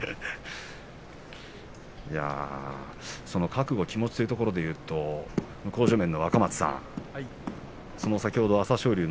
覚悟、気持ちというところで、きますと向正面の若松さん